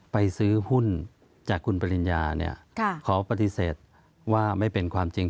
ไปซื้อหุ้นจากคุณปริญญาเนี่ยเขาปฏิเสธว่าไม่เป็นความจริง